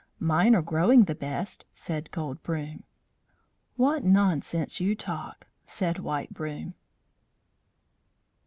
"Mine are growing the best," said Gold Broom. "What nonsense you talk!" said White Broom.